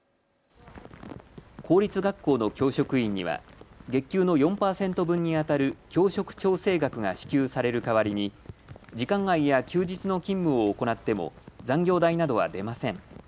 公立学校の教職員には月給の４％分にあたる教職調整額が支給される代わりに時間外や休日の勤務を行っても残業代などは出ません。